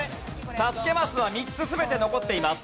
助けマスは３つ全て残っています。